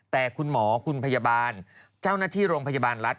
แต่คุณหมอคุณพยาบาล